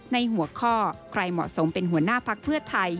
ในหัวข้อใครเหมาะสมเป็นหัวหน้าพักเพื่อไทย